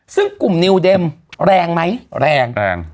ซึ่งกลุ่มนิวเด็มแรงไหมแรงแรง